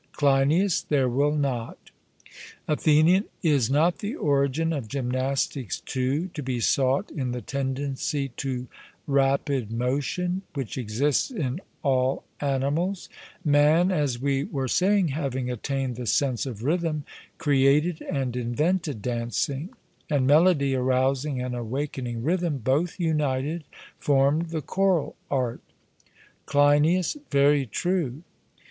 CLEINIAS: There will not. ATHENIAN: Is not the origin of gymnastics, too, to be sought in the tendency to rapid motion which exists in all animals; man, as we were saying, having attained the sense of rhythm, created and invented dancing; and melody arousing and awakening rhythm, both united formed the choral art? CLEINIAS: Very true.